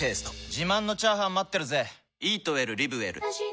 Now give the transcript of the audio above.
自慢のチャーハン待ってるぜ！